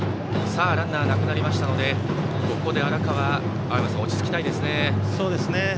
ランナーがなくなりましたのでここで荒川はそうですね。